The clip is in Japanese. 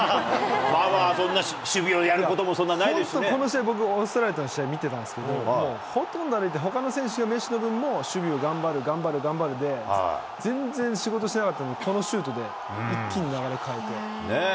そんな守備をやることもそん本当、この試合、僕、オーストラリアとの試合見てたんですけど、ほとんど歩いて、ほかの選手がメッシの分も守備を頑張る頑張るで、全然仕事してなかったのに、このシュートで一気に流れ変えて。